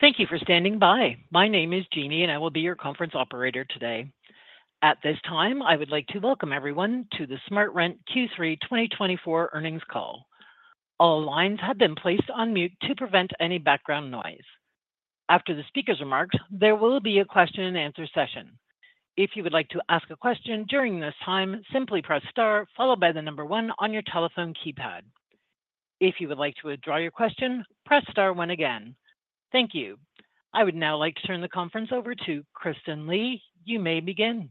Thank you for standing by. My name is Jeannie, and I will be your conference operator today. At this time, I would like to welcome everyone to the SmartRent Q3 2024 earnings call. All lines have been placed on mute to prevent any background noise. After the speaker's remarks, there will be a question-and-answer session. If you would like to ask a question during this time, simply press Star, followed by the number one on your telephone keypad. If you would like to withdraw your question, press Star one again. Thank you. I would now like to turn the conference over to Kristen Lee. You may begin.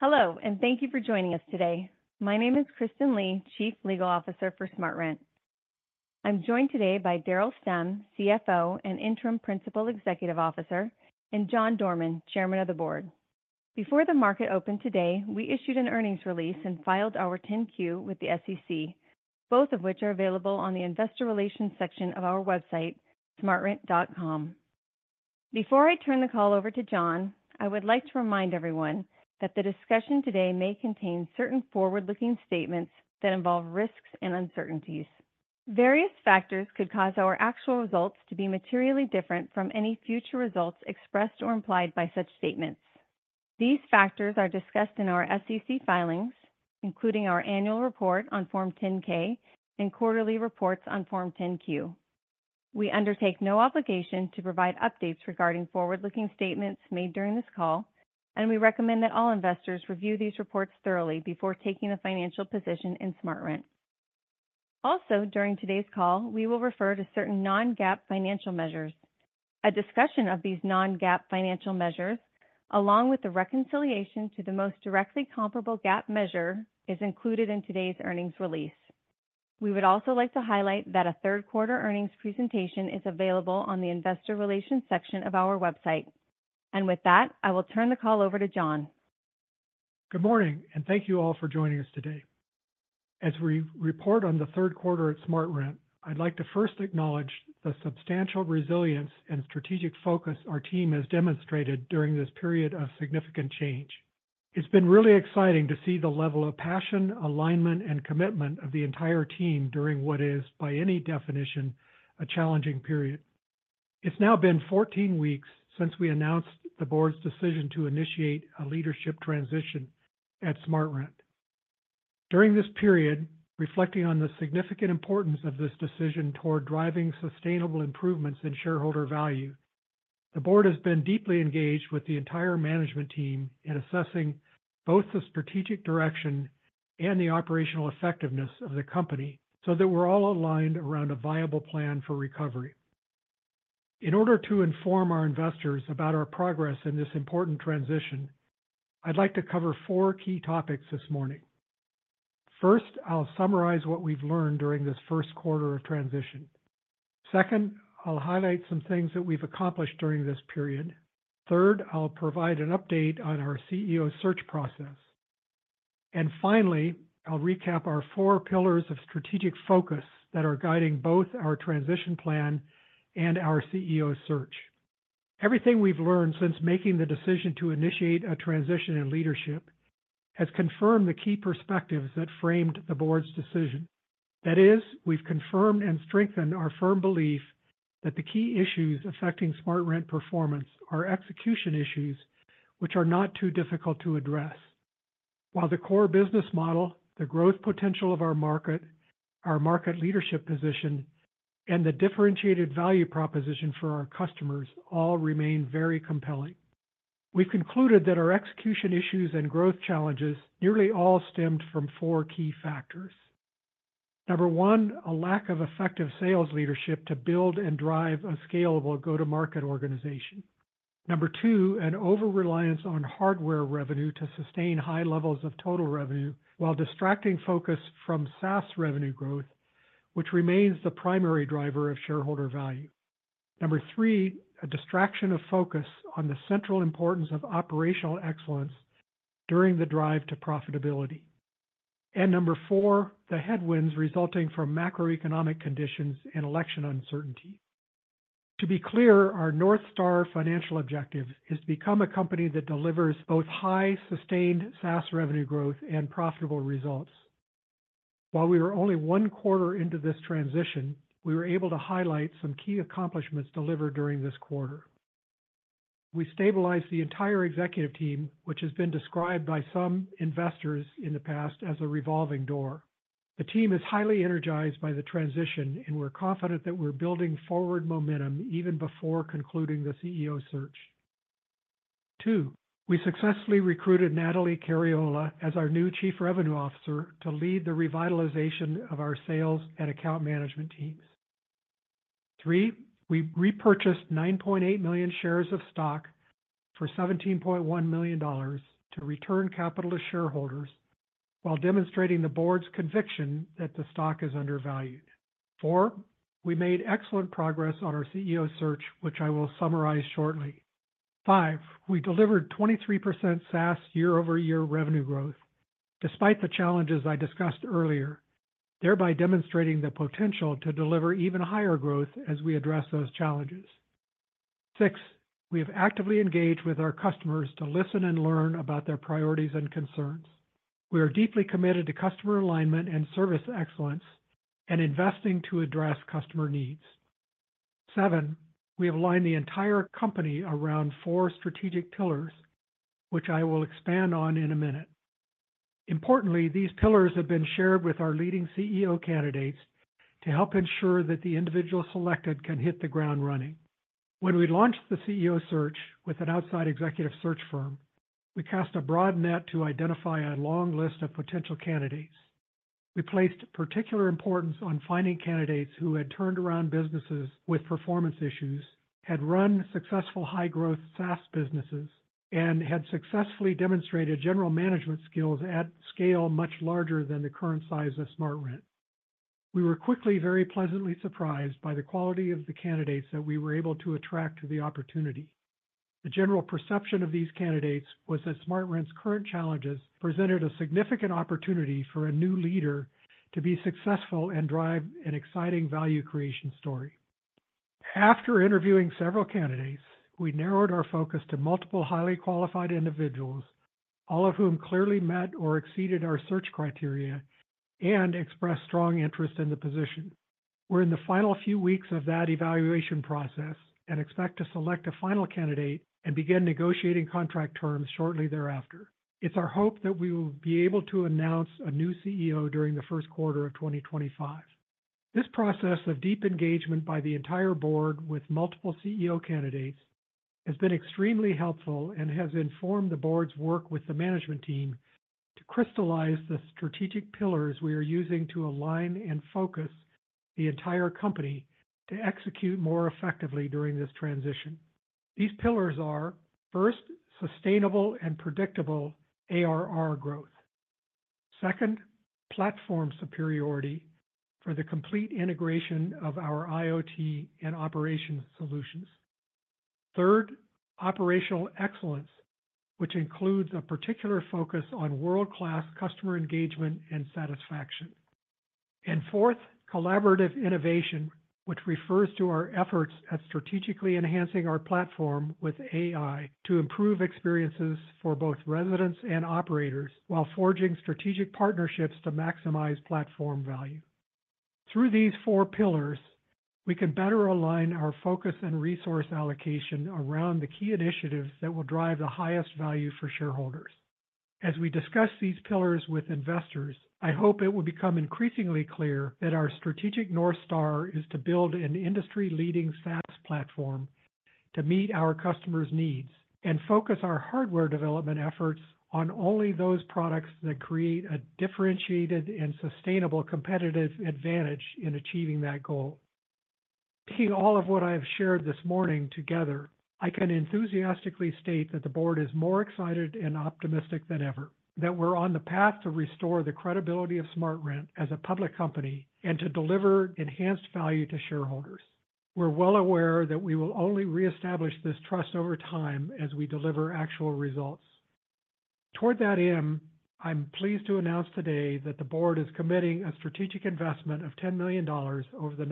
Hello, and thank you for joining us today. My name is Kristen Lee, Chief Legal Officer for SmartRent. I'm joined today by Daryl Stemm, CFO and Interim Principal Executive Officer, and John Dorman, Chairman of the Board. Before the market opened today, we issued an earnings release and filed our 10-Q with the SEC, both of which are available on the Investor Relations section of our website, smartrent.com. Before I turn the call over to John, I would like to remind everyone that the discussion today may contain certain forward-looking statements that involve risks and uncertainties. Various factors could cause our actual results to be materially different from any future results expressed or implied by such statements. These factors are discussed in our SEC filings, including our annual report on Form 10-K and quarterly reports on Form 10-Q. We undertake no obligation to provide updates regarding forward-looking statements made during this call, and we recommend that all investors review these reports thoroughly before taking a financial position in SmartRent. Also, during today's call, we will refer to certain non-GAAP financial measures. A discussion of these non-GAAP financial measures, along with the reconciliation to the most directly comparable GAAP measure, is included in today's earnings release. We would also like to highlight that a third-quarter earnings presentation is available on the Investor Relations section of our website. And with that, I will turn the call over to John. Good morning, and thank you all for joining us today. As we report on the third quarter at SmartRent, I'd like to first acknowledge the substantial resilience and strategic focus our team has demonstrated during this period of significant change. It's been really exciting to see the level of passion, alignment, and commitment of the entire team during what is, by any definition, a challenging period. It's now been 14 weeks since we announced the Board's decision to initiate a leadership transition at SmartRent. During this period, reflecting on the significant importance of this decision toward driving sustainable improvements in shareholder value, the Board has been deeply engaged with the entire management team in assessing both the strategic direction and the operational effectiveness of the company so that we're all aligned around a viable plan for recovery. In order to inform our investors about our progress in this important transition, I'd like to cover four key topics this morning. First, I'll summarize what we've learned during this first quarter of transition. Second, I'll highlight some things that we've accomplished during this period. Third, I'll provide an update on our CEO search process. And finally, I'll recap our four pillars of strategic focus that are guiding both our transition plan and our CEO search. Everything we've learned since making the decision to initiate a transition in leadership has confirmed the key perspectives that framed the Board's decision. That is, we've confirmed and strengthened our firm belief that the key issues affecting SmartRent performance are execution issues, which are not too difficult to address, while the core business model, the growth potential of our market, our market leadership position, and the differentiated value proposition for our customers all remain very compelling. We've concluded that our execution issues and growth challenges nearly all stemmed from four key factors. Number one, a lack of effective sales leadership to build and drive a scalable go-to-market organization. Number two, an over-reliance on Hardware revenue to sustain high levels of total revenue while distracting focus from SaaS revenue growth, which remains the primary driver of shareholder value. Number three, a distraction of focus on the central importance of operational excellence during the drive to profitability. And number four, the headwinds resulting from macroeconomic conditions and election uncertainty. To be clear, our North Star financial objective is to become a company that delivers both high, sustained SaaS revenue growth and profitable results. While we were only one quarter into this transition, we were able to highlight some key accomplishments delivered during this quarter. We stabilized the entire executive team, which has been described by some investors in the past as a revolving door. The team is highly energized by the transition, and we're confident that we're building forward momentum even before concluding the CEO search. Two, we successfully recruited Natalie Cariola as our new Chief Revenue Officer to lead the revitalization of our sales and account management teams. Three, we repurchased 9.8 million shares of stock for $17.1 million to return capital to shareholders while demonstrating the Board's conviction that the stock is undervalued. Four, we made excellent progress on our CEO search, which I will summarize shortly. Five, we delivered 23% SaaS year-over-year revenue growth despite the challenges I discussed earlier, thereby demonstrating the potential to deliver even higher growth as we address those challenges. Six, we have actively engaged with our customers to listen and learn about their priorities and concerns. We are deeply committed to customer alignment and service excellence and investing to address customer needs. Seven, we have aligned the entire company around four strategic pillars, which I will expand on in a minute. Importantly, these pillars have been shared with our leading CEO candidates to help ensure that the individuals selected can hit the ground running. When we launched the CEO search with an outside executive search firm, we cast a broad net to identify a long list of potential candidates. We placed particular importance on finding candidates who had turned around businesses with performance issues, had run successful high-growth SaaS businesses, and had successfully demonstrated general management skills at scale much larger than the current size of SmartRent. We were quickly very pleasantly surprised by the quality of the candidates that we were able to attract to the opportunity. The general perception of these candidates was that SmartRent's current challenges presented a significant opportunity for a new leader to be successful and drive an exciting value creation story. After interviewing several candidates, we narrowed our focus to multiple highly qualified individuals, all of whom clearly met or exceeded our search criteria and expressed strong interest in the position. We're in the final few weeks of that evaluation process and expect to select a final candidate and begin negotiating contract terms shortly thereafter. It's our hope that we will be able to announce a new CEO during the first quarter of 2025. This process of deep engagement by the entire Board with multiple CEO candidates has been extremely helpful and has informed the Board's work with the management team to crystallize the strategic pillars we are using to align and focus the entire company to execute more effectively during this transition. These pillars are, first, sustainable and predictable ARR growth. Second, platform superiority for the complete integration of our IoT and operations solutions. Third, operational excellence, which includes a particular focus on world-class customer engagement and satisfaction. And fourth, collaborative innovation, which refers to our efforts at strategically enhancing our platform with AI to improve experiences for both residents and operators while forging strategic partnerships to maximize platform value. Through these four pillars, we can better align our focus and resource allocation around the key initiatives that will drive the highest value for shareholders. As we discuss these pillars with investors, I hope it will become increasingly clear that our strategic North Star is to build an industry-leading SaaS platform to meet our customers' needs and focus our Hardware development efforts on only those products that create a differentiated and sustainable competitive advantage in achieving that goal. Taking all of what I have shared this morning together, I can enthusiastically state that the Board is more excited and optimistic than ever, that we're on the path to restore the credibility of SmartRent as a public company and to deliver enhanced value to shareholders. We're well aware that we will only reestablish this trust over time as we deliver actual results. Toward that end, I'm pleased to announce today that the Board is committing a strategic investment of $10 million over the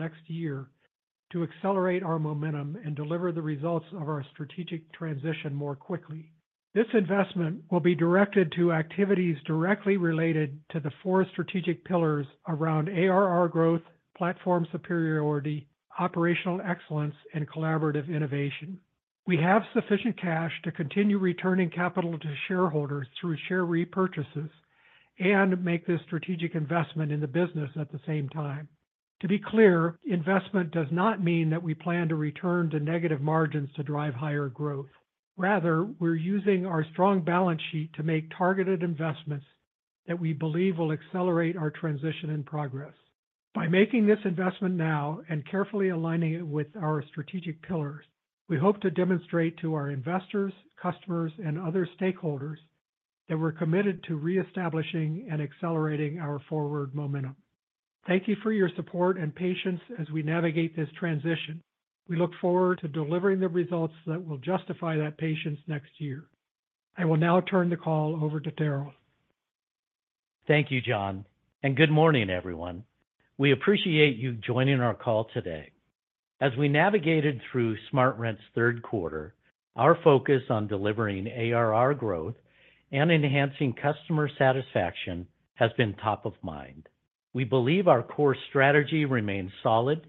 next year to accelerate our momentum and deliver the results of our strategic transition more quickly. This investment will be directed to activities directly related to the four strategic pillars around ARR growth, platform superiority, operational excellence, and collaborative innovation. We have sufficient cash to continue returning capital to shareholders through share repurchases and make this strategic investment in the business at the same time. To be clear, investment does not mean that we plan to return to negative margins to drive higher growth. Rather, we're using our strong balance sheet to make targeted investments that we believe will accelerate our transition in progress. By making this investment now and carefully aligning it with our strategic pillars, we hope to demonstrate to our investors, customers, and other stakeholders that we're committed to reestablishing and accelerating our forward momentum. Thank you for your support and patience as we navigate this transition. We look forward to delivering the results that will justify that patience next year. I will now turn the call over to Daryl. Thank you, John, and good morning, everyone. We appreciate you joining our call today. As we navigated through SmartRent's third quarter, our focus on delivering ARR growth and enhancing customer satisfaction has been top of mind. We believe our core strategy remains solid,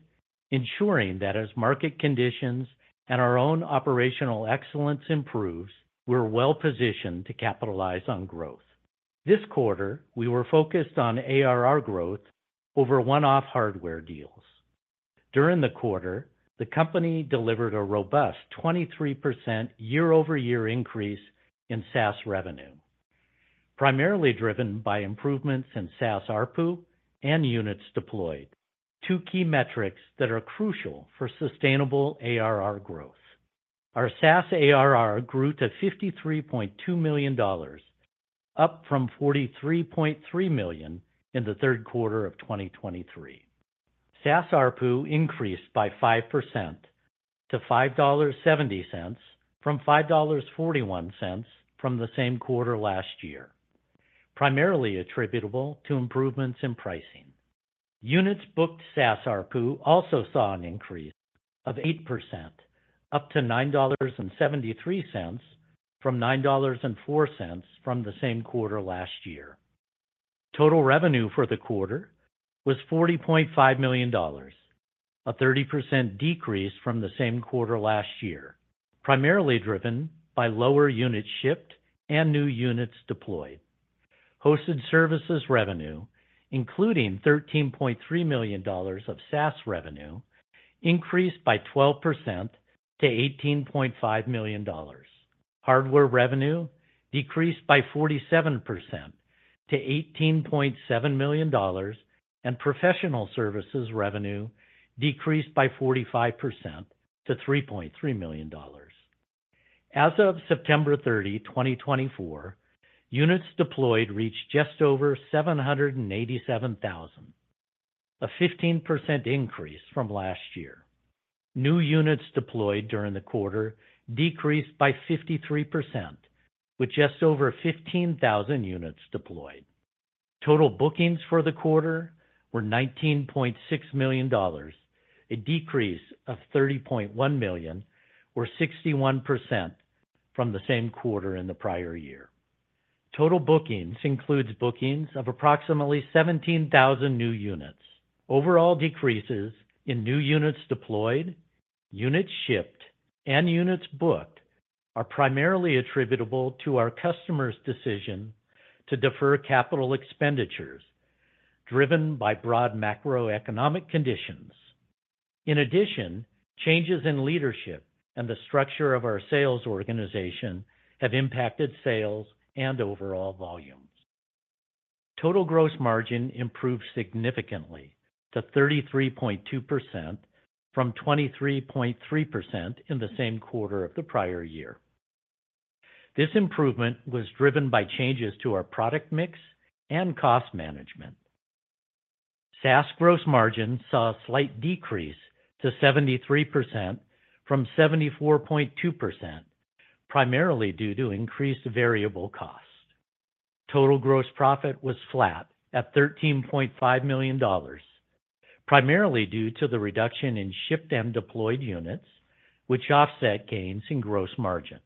ensuring that as market conditions and our own operational excellence improves, we're well positioned to capitalize on growth. This quarter, we were focused on ARR growth over one-off Hardware deals. During the quarter, the company delivered a robust 23% year-over-year increase in SaaS revenue, primarily driven by improvements in SaaS ARPU and Units Deployed, two key metrics that are crucial for sustainable ARR growth. Our SaaS ARR grew to $53.2 million, up from $43.3 million in the third quarter of 2023. SaaS ARPU increased by 5% to $5.70 from $5.41 from the same quarter last year, primarily attributable to improvements in pricing. Units Booked SaaS ARPU also saw an increase of 8%, up to $9.73 from $9.04 from the same quarter last year. Total revenue for the quarter was $40.5 million, a 30% decrease from the same quarter last year, primarily driven by lower Units Shipped and new Units Deployed. Hosted Services revenue, including $13.3 million of SaaS revenue, increased by 12% to $18.5 million. Hardware revenue decreased by 47% to $18.7 million, and Professional Services revenue decreased by 45% to $3.3 million. As of September 30, 2024, Units Deployed reached just over 787,000, a 15% increase from last year. New Units Deployed during the quarter decreased by 53%, with just over 15,000 Units Deployed. Total bookings for the quarter were $19.6 million, a decrease of $30.1 million, or 61% from the same quarter in the prior year. Total bookings includes bookings of approximately 17,000 new units. Overall decreases in new Units Deployed, Units Shipped, and Units Booked are primarily attributable to our customers' decision to defer CapEx driven by broad macroeconomic conditions. In addition, changes in leadership and the structure of our sales organization have impacted sales and overall volumes. Total gross margin improved significantly to 33.2% from 23.3% in the same quarter of the prior year. This improvement was driven by changes to our product mix and cost management. SaaS gross margin saw a slight decrease to 73% from 74.2%, primarily due to increased variable costs. Total gross profit was flat at $13.5 million, primarily due to the reduction in shipped and deployed units, which offset gains in gross margin.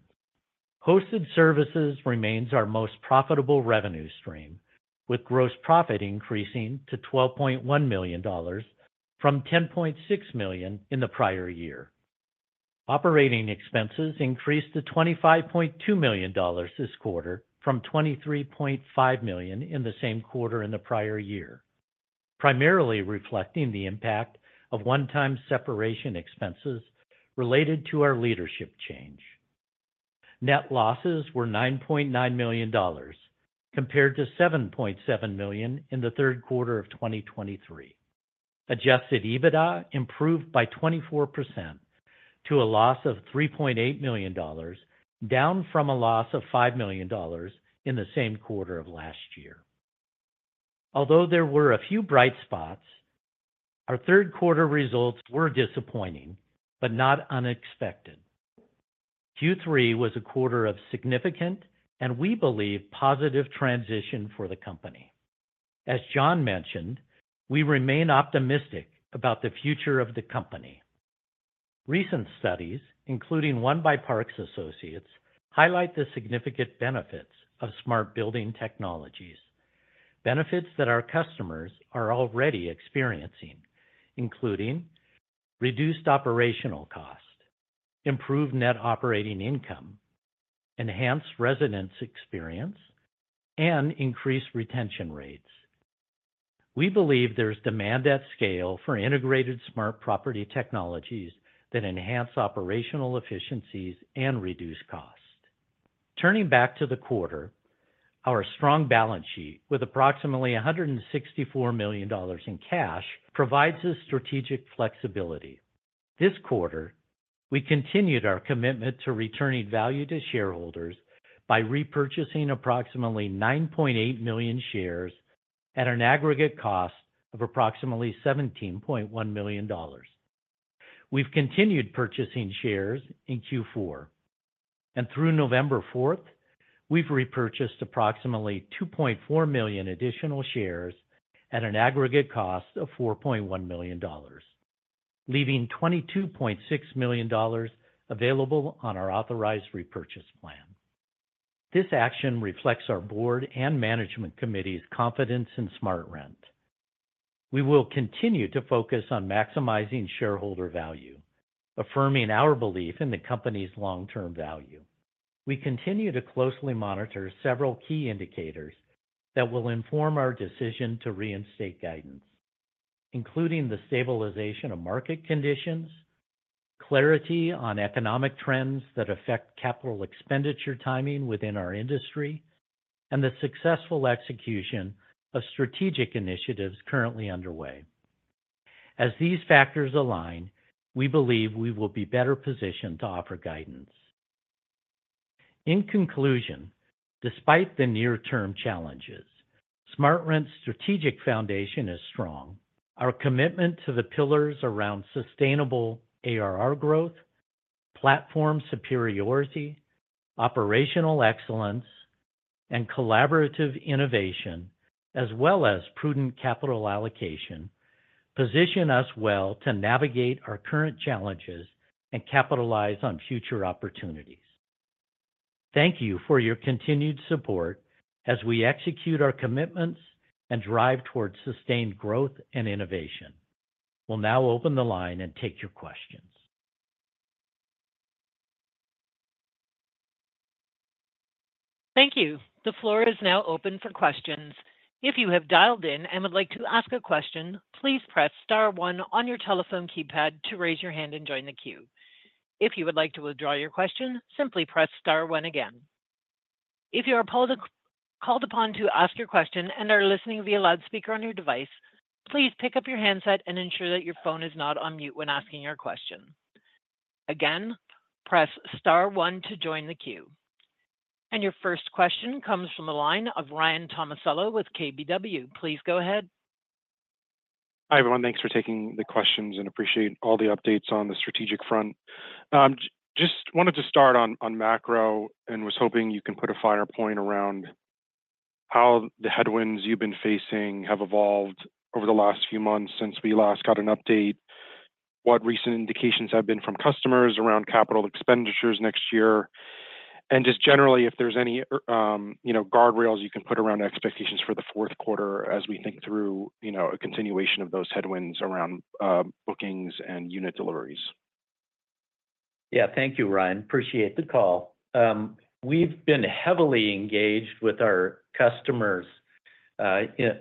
Hosted Services remains our most profitable revenue stream, with gross profit increasing to $12.1 million from $10.6 million in the prior year. Operating expenses increased to $25.2 million this quarter from $23.5 million in the same quarter in the prior year, primarily reflecting the impact of one-time separation expenses related to our leadership change. Net losses were $9.9 million, compared to $7.7 million in the third quarter of 2023. Adjusted EBITDA improved by 24% to a loss of $3.8 million, down from a loss of $5 million in the same quarter of last year. Although there were a few bright spots, our third quarter results were disappointing but not unexpected. Q3 was a quarter of significant and, we believe, positive transition for the company. As John mentioned, we remain optimistic about the future of the company. Recent studies, including one by Parks Associates, highlight the significant benefits of smart building technologies, benefits that our customers are already experiencing, including reduced operational cost, improved net operating income, enhanced residents' experience, and increased retention rates. We believe there's demand at scale for integrated smart property technologies that enhance operational efficiencies and reduce costs. Turning back to the quarter, our strong balance sheet with approximately $164 million in cash provides us strategic flexibility. This quarter, we continued our commitment to returning value to shareholders by repurchasing approximately 9.8 million shares at an aggregate cost of approximately $17.1 million. We've continued purchasing shares in Q4, and through November 4, we've repurchased approximately 2.4 million additional shares at an aggregate cost of $4.1 million, leaving $22.6 million available on our authorized repurchase plan. This action reflects our board and management committee's confidence in SmartRent. We will continue to focus on maximizing shareholder value, affirming our belief in the company's long-term value. We continue to closely monitor several key indicators that will inform our decision to reinstate guidance, including the stabilization of market conditions, clarity on economic trends that affect capital expenditure timing within our industry, and the successful execution of strategic initiatives currently underway. As these factors align, we believe we will be better positioned to offer guidance. In conclusion, despite the near-term challenges, SmartRent's strategic foundation is strong. Our commitment to the pillars around sustainable ARR growth, platform superiority, operational excellence, and collaborative innovation, as well as prudent capital allocation, positions us well to navigate our current challenges and capitalize on future opportunities. Thank you for your continued support as we execute our commitments and drive towards sustained growth and innovation. We'll now open the line and take your questions. Thank you. The floor is now open for questions. If you have dialed in and would like to ask a question, please press star one on your telephone keypad to raise your hand and join the queue. If you would like to withdraw your question, simply press star one again. If you are called upon to ask your question and are listening via loudspeaker on your device, please pick up your handset and ensure that your phone is not on mute when asking your question. Again, press star one to join the queue. Your first question comes from the line of Ryan Tomasello with KBW. Please go ahead. Hi, everyone. Thanks for taking the questions and appreciate all the updates on the strategic front. Just wanted to start on macro and was hoping you can put a finer point around how the headwinds you've been facing have evolved over the last few months since we last got an update, what recent indications have been from customers around CapEx next year, and just generally if there's any guardrails you can put around expectations for the fourth quarter as we think through a continuation of those headwinds around bookings and unit deliveries? Yeah, thank you, Ryan. Appreciate the call. We've been heavily engaged with our customers,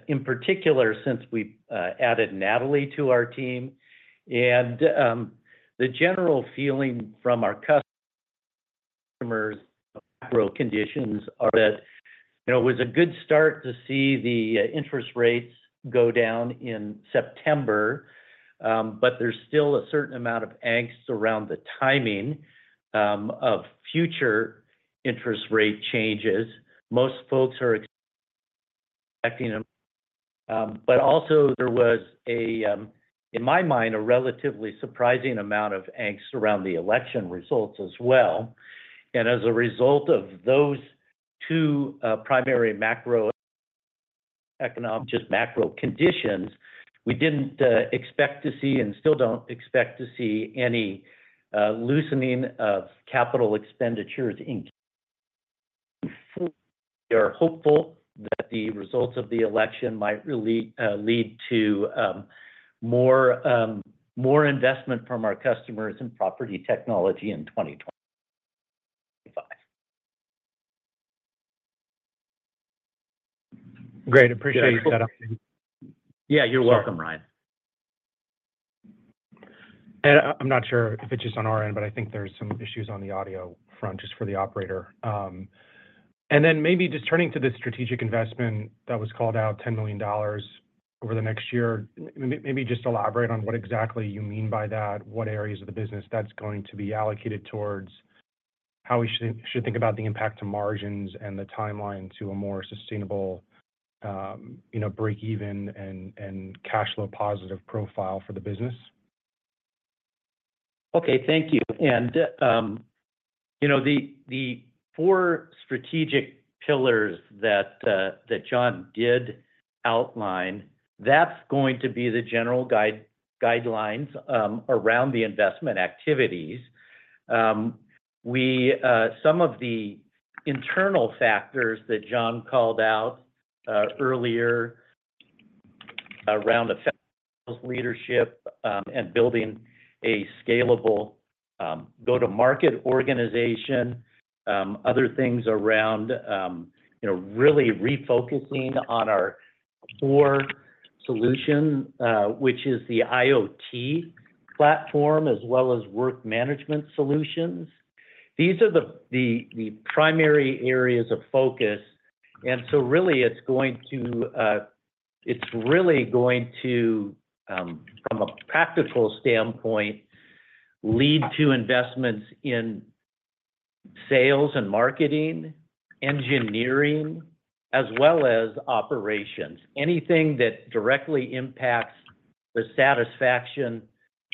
in particular since we added Natalie to our team, and the general feeling from our customers' macro conditions is that it was a good start to see the interest rates go down in September, but there's still a certain amount of angst around the timing of future interest rate changes. Most folks are expecting them, but also, there was, in my mind, a relatively surprising amount of angst around the election results as well, and as a result of those two primary macroeconomic just macro conditions, we didn't expect to see and still don't expect to see any loosening of CapEx. We are hopeful that the results of the election might really lead to more investment from our customers in property technology in 2025. Great. Appreciate that. Yeah, you're welcome, Ryan. And I'm not sure if it's just on our end, but I think there's some issues on the audio front just for the operator. And then maybe just turning to the strategic investment that was called out, $10 million over the next year, maybe just elaborate on what exactly you mean by that, what areas of the business that's going to be allocated towards, how we should think about the impact to margins and the timeline to a more sustainable break-even and cash flow positive profile for the business. Okay, thank you. And the four strategic pillars that John did outline, that's going to be the general guidelines around the investment activities. Some of the internal factors that John called out earlier around effective sales leadership and building a scalable go-to-market organization, other things around really refocusing on our core solution, which is the IoT platform, as well as work management solutions. These are the primary areas of focus. And so really, it's really going to, from a practical standpoint, lead to investments in sales and marketing, engineering, as well as operations, anything that directly impacts the satisfaction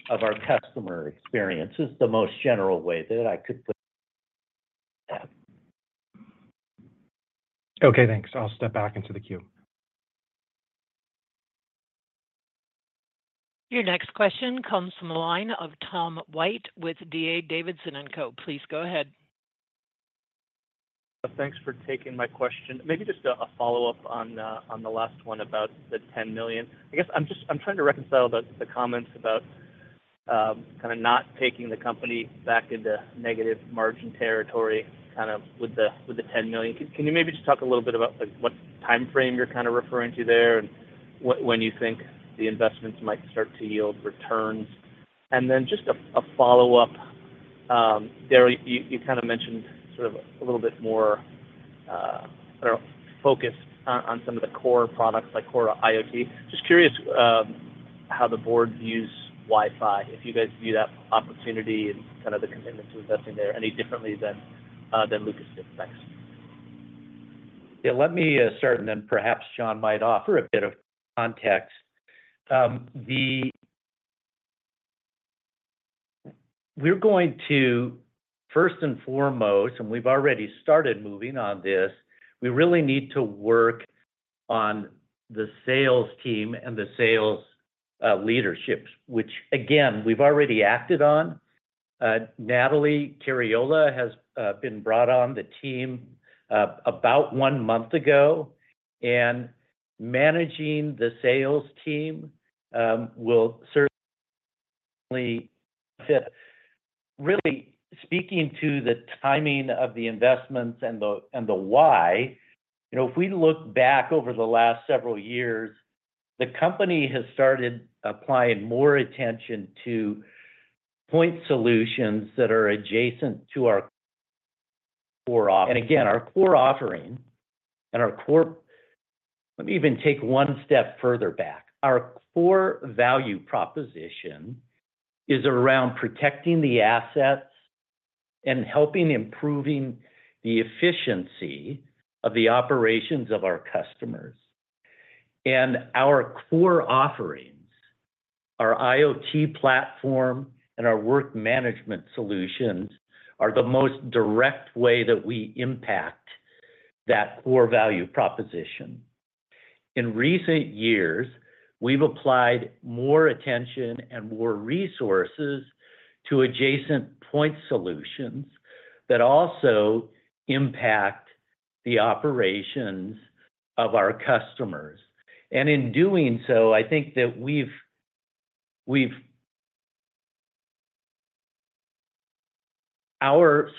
of our customer experience is the most general way that I could put that. Okay, thanks. I'll step back into the queue. Your next question comes from the line of Tom White with DA Davidson. Please go ahead. Thanks for taking my question. Maybe just a follow-up on the last one about the $10 million. I guess I'm just trying to reconcile the comments about kind of not taking the company back into negative margin territory kind of with the $10 million. Can you maybe just talk a little bit about what timeframe you're kind of referring to there and when you think the investments might start to yield returns? And then just a follow-up, Daryl, you kind of mentioned sort of a little bit more, I don't know, focused on some of the core products like core IoT. Just curious how the board views Wi-Fi, if you guys view that opportunity and kind of the commitment to investing there any differently than Lucas did. Thanks. Yeah, let me start, and then perhaps John might offer a bit of context. We're going to, first and foremost, and we've already started moving on this, we really need to work on the sales team and the sales leadership, which, again, we've already acted on. Natalie Cariola has been brought on the team about one month ago, and managing the sales team will certainly fit. Really, speaking to the timing of the investments and the why, if we look back over the last several years, the company has started applying more attention to point solutions that are adjacent to our core offering. And again, our core offering and our core, let me even take one step further back. Our core value proposition is around protecting the assets and helping improving the efficiency of the operations of our customers. Our core offerings, our IoT platform, and our work management solutions are the most direct way that we impact that core value proposition. In recent years, we've applied more attention and more resources to adjacent point solutions that also impact the operations of our customers. In doing so, I think that our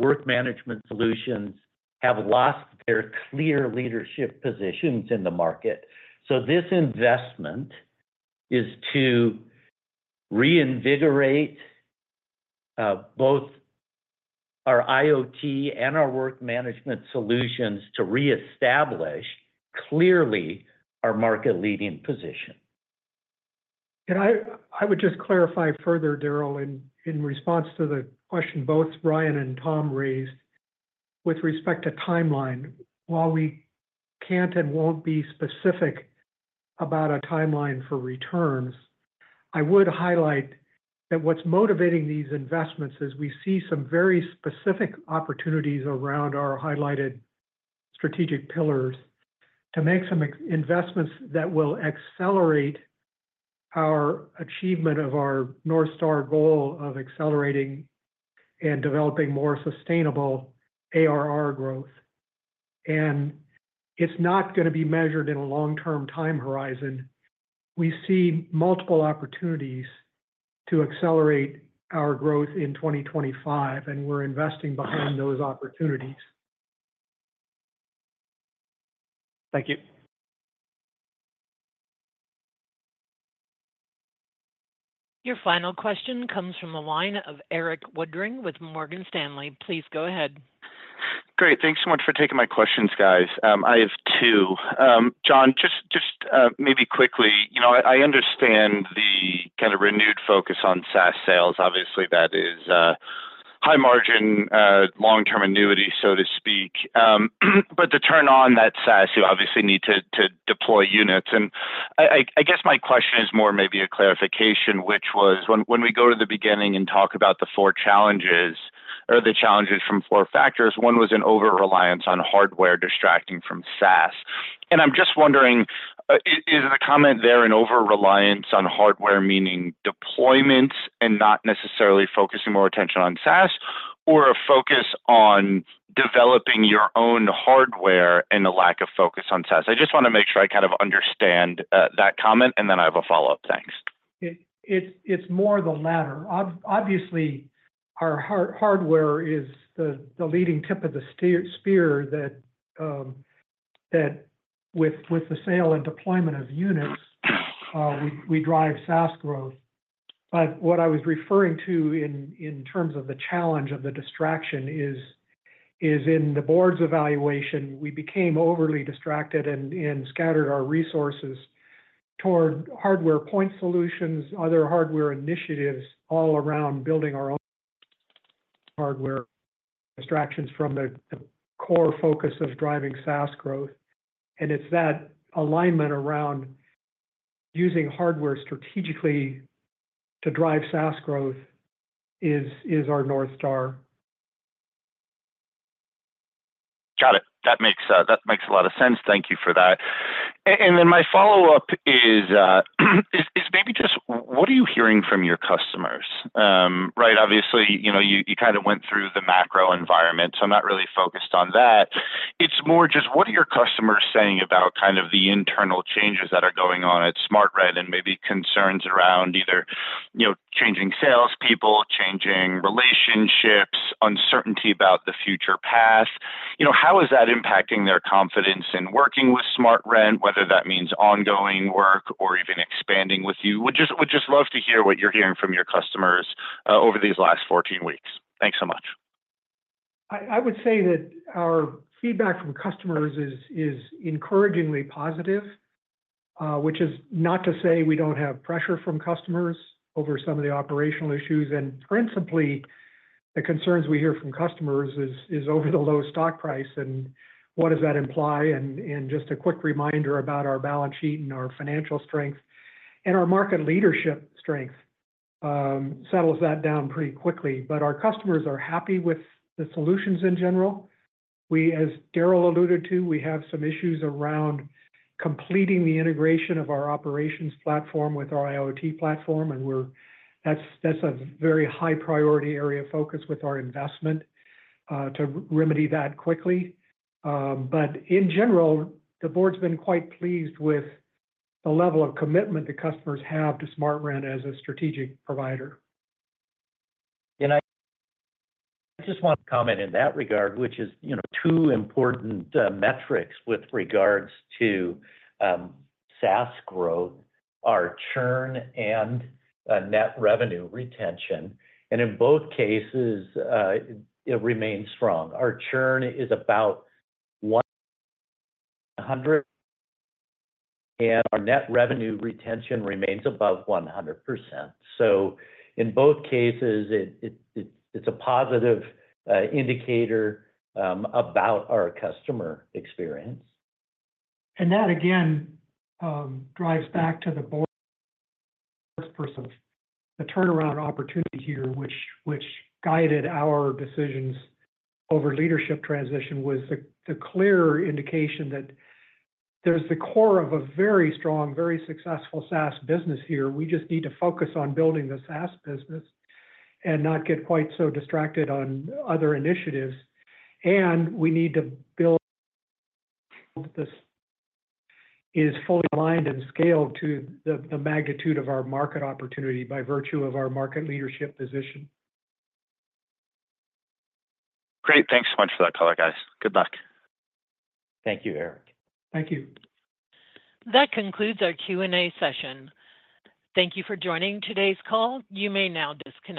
work management solutions have lost their clear leadership positions in the market. This investment is to reinvigorate both our IoT and our work management solutions to reestablish clearly our market-leading position. I would just clarify further, Daryl, in response to the question both Ryan and Tom raised with respect to timeline. While we can't and won't be specific about a timeline for returns, I would highlight that what's motivating these investments is we see some very specific opportunities around our highlighted strategic pillars to make some investments that will accelerate our achievement of our North Star goal of accelerating and developing more sustainable ARR growth. It's not going to be measured in a long-term time horizon. We see multiple opportunities to accelerate our growth in 2025, and we're investing behind those opportunities. Thank you. Your final question comes from the line of Erik Woodring with Morgan Stanley. Please go ahead. Great. Thanks so much for taking my questions, guys. I have two. John, just maybe quickly, I understand the kind of renewed focus on SaaS sales. Obviously, that is high-margin, long-term annuity, so to speak. But to turn on that SaaS, you obviously need to deploy units. And I guess my question is more maybe a clarification, which was when we go to the beginning and talk about the four challenges or the challenges from four factors, one was an over-reliance on Hardware distracting from SaaS. And I'm just wondering, is the comment there an over-reliance on Hardware, meaning deployments and not necessarily focusing more attention on SaaS, or a focus on developing your own hardware and a lack of focus on SaaS? I just want to make sure I kind of understand that comment, and then I have a follow-up. Thanks. It's more the latter. Obviously, our Hardware is the leading tip of the spear that, with the sale and deployment of units, we drive SaaS growth. But what I was referring to in terms of the challenge of the distraction is, in the board's evaluation, we became overly distracted and scattered our resources toward Hardware point solutions, other Hardware initiatives, all around building our own Hardware distractions from the core focus of driving SaaS growth, and it's that alignment around using Hardware strategically to drive SaaS growth is our North Star. Got it. That makes a lot of sense. Thank you for that. And then my follow-up is maybe just what are you hearing from your customers? Right, obviously, you kind of went through the macro environment, so I'm not really focused on that. It's more just what are your customers saying about kind of the internal changes that are going on at SmartRent and maybe concerns around either changing salespeople, changing relationships, uncertainty about the future path? How is that impacting their confidence in working with SmartRent, whether that means ongoing work or even expanding with you? Would just love to hear what you're hearing from your customers over these last 14 weeks. Thanks so much. I would say that our feedback from customers is encouragingly positive, which is not to say we don't have pressure from customers over some of the operational issues, and principally, the concerns we hear from customers is over the low stock price and what does that imply, and just a quick reminder about our balance sheet and our financial strength and our market leadership strength settles that down pretty quickly, but our customers are happy with the solutions in general. As Daryl alluded to, we have some issues around completing the integration of our operations platform with our IoT platform, and that's a very high-priority area of focus with our investment to remedy that quickly, but in general, the board's been quite pleased with the level of commitment the customers have to SmartRent as a strategic provider. And I just want to comment in that regard, which is two important metrics with regards to SaaS growth: our churn and net revenue retention. And in both cases, it remains strong. Our churn is about 100, and our net revenue retention remains above 100%. So in both cases, it's a positive indicator about our customer experience. And that, again, drives back to the board's purpose. The turnaround opportunity here, which guided our decisions over leadership transition, was the clear indication that there's the core of a very strong, very successful SaaS business here. We just need to focus on building the SaaS business and not get quite so distracted on other initiatives. And we need to build. This is fully aligned and scaled to the magnitude of our market opportunity by virtue of our market leadership position. Great. Thanks so much for that color, guys. Good luck. Thank you, Eric. Thank you. That concludes our Q&A session. Thank you for joining today's call. You may now disconnect.